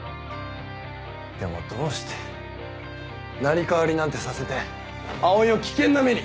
でもどうして成り代わりなんてさせて葵を危険な目に？